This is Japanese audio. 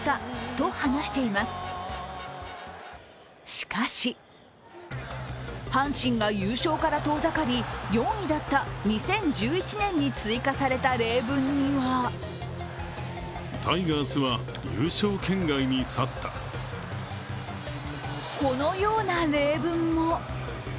しかし阪神が優勝から遠ざかり、４位だった２０１１年に追加された例文にはこのような例文も。